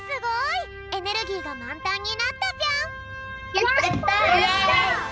やった！